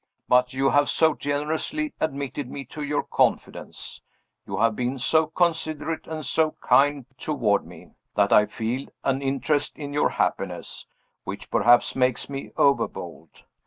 But you have so generously admitted me to your confidence you have been so considerate and so kind toward me that I feel an interest in your happiness, which perhaps makes me over bold.